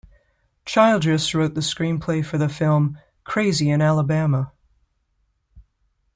Childress wrote the screenplay for the film "Crazy in Alabama".